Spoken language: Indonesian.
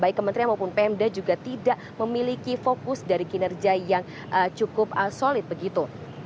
baik kementerian maupun pmd juga tidak memiliki fokus dari kinerja yang cukup solid begitu